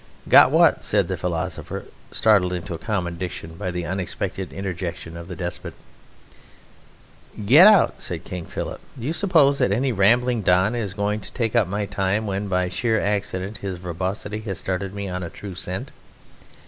"Got what?" said the philosopher, startled into common diction by the unexpected interjection of the despot. "Get out!" said King Philip. "Do you suppose that any rambling Don is going to take up my time when by a sheer accident his verbosity has started me on a true scent?